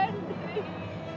kakak aja ada bantu